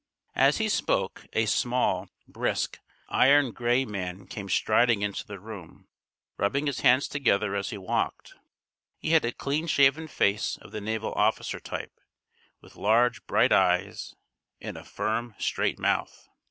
As he spoke, a small, brisk, iron grey man came striding into the room, rubbing his hands together as he walked. He had a clean shaven face, of the naval officer type, with large, bright eyes, and a firm, straight mouth.